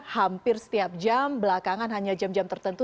hampir setiap jam belakangan hanya jam jam tertentu